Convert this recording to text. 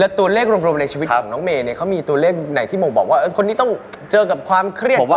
ตัวเลขรวมในชีวิตของน้องเมย์เนี่ยเขามีตัวเลขไหนที่โม่งบอกว่าคนนี้ต้องเจอกับความเครียด